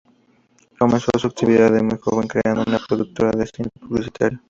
Comenzó su actividad de muy joven creando una productora de cine publicitario.